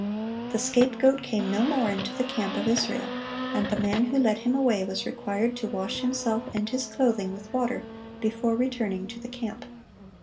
(692) The scapegoat came no more into the camp of Israel, and the man who led him away was required to wash himself and his clothing with water before returning to the camp.